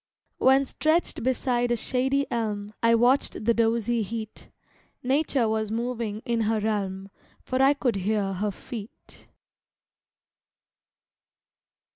When stretched beside a shady elm I watched the dozy heat, Nature was moving in her realm, For I could hear her feet.